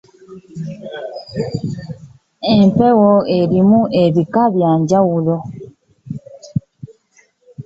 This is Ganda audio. Empewo erimu ebika by'omukka ebyenjawulo .